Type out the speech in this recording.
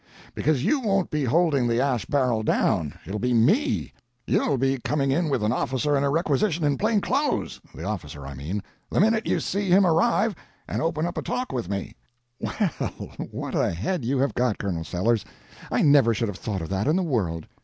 "Because you won't be holding the ash barrel down, it'll be me. You'll be coming in with an officer and a requisition in plain clothes—the officer, I mean—the minute you see him arrive and open up a talk with me." "Well, what a head you have got, Colonel Sellers! I never should have thought of that in the world."